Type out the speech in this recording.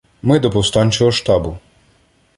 — Ми до повстанчого штабу.